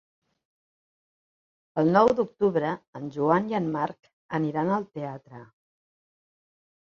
El nou d'octubre en Joan i en Marc aniran al teatre.